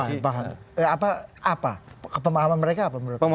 siapa paham apa apa pemahaman mereka apa menurutmu